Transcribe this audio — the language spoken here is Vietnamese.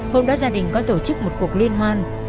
hôm đó gia đình có tổ chức một cuộc liên hoan